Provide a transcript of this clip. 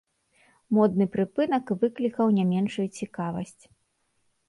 Модны прыпынак выклікаў не меншую цікавасць.